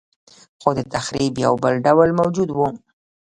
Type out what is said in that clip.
خو د تخریب یو بل ډول موجود و